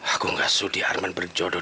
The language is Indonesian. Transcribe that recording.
aku gak sudi arman berjodoh